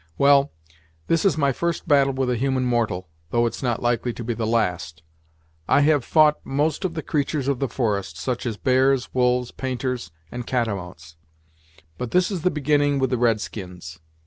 Well, this is my first battle with a human mortal, though it's not likely to be the last. I have fou't most of the creatur's of the forest, such as bears, wolves, painters, and catamounts, but this is the beginning with the red skins.